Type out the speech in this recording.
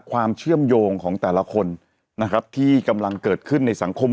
ความเชื่อมโยงของแต่ละคนนะครับที่กำลังเกิดขึ้นในสังคม